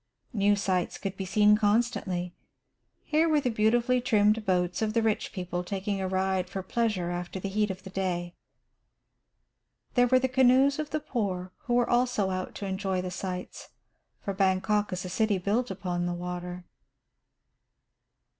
New sights could be seen constantly. Here were the beautifully trimmed boats of the rich people taking a ride for pleasure after the heat of the day. There were the canoes of the poor, who were also out to enjoy the sights, for Bangkok is a city built upon the water.